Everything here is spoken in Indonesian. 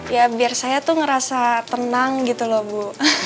ya biar saya tuh ngerasa tenang gitu loh bu